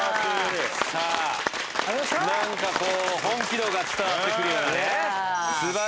なんかこう本気度が伝わってくるよね。